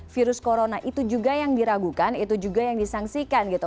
virus corona itu juga yang diragukan itu juga yang disangsikan gitu